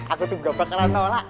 aku tuh gak bakalan nolak